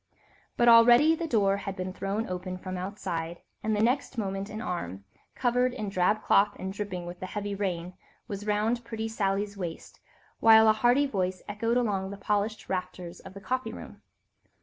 But already the door had been thrown open from outside, and the next moment an arm, covered in drab cloth and dripping with the heavy rain, was round pretty Sally's waist, while a hearty voice echoed along the polished rafters of the coffee room.